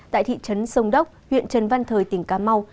tại thị trấn sông đốc huyện trần văn thời tỉnh cà mau